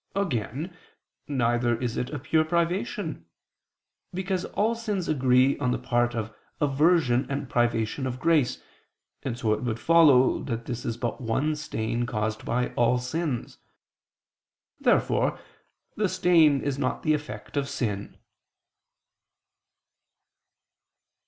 Again, neither is it a pure privation. Because all sins agree on the part of aversion and privation of grace: and so it would follow that there is but one stain caused by all sins. Therefore the stain is not the effect of sin.